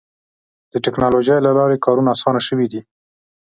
د ټکنالوجۍ له لارې کارونه اسانه شوي دي.